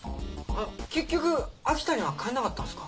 結局秋田には帰んなかったんですか？